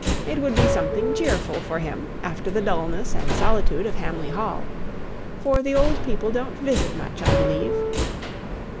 It would be something cheerful for him after the dulness and solitude of Hamley Hall. For the old people don't visit much, I believe?"